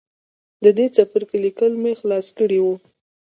د دې څپرکي ليکل مې خلاص کړي وو.